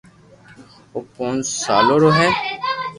او پونچ سالو رو ھي